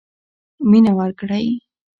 مینه ورکړئ.